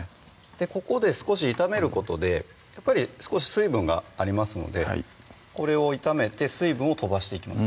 ここで少し炒めることでやっぱり少し水分がありますのでこれを炒めて水分を飛ばしていきます